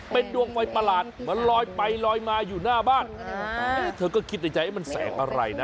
เป็นดวงไฟประหลาดมันลอยไปลอยมาอยู่หน้าบ้านเธอก็คิดในใจมันแสงอะไรนะ